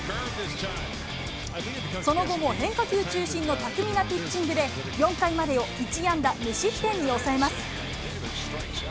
その後も変化球中心の巧みなピッチングで、４回までを１安打無失点に抑えます。